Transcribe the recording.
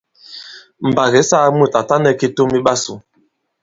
Mbàk ǐ saa mùt à ta nɛ kitum i ɓasū.